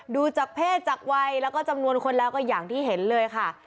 ดูจากเพศจากวัยแล้วก็จำนวนคนแล้วก็อย่างที่เห็นเลยค่ะ